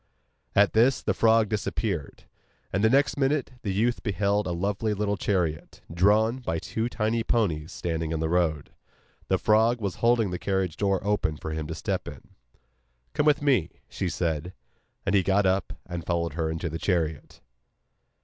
At this the frog disappeared; and the next minute the youth beheld a lovely little chariot, drawn by two tiny ponies, standing on the road. The frog was holding the carriage door open for him to step in. 'Come with me,' she said. And he got up and followed her into the chariot.